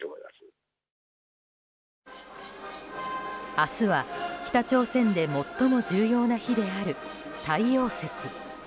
明日は北朝鮮で最も重要な日である太陽節。